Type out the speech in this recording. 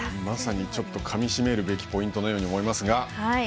まさにちょっと、かみしめるべきポイントのように思いますが。